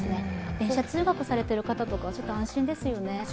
電車通学されている方とか安心ですよね。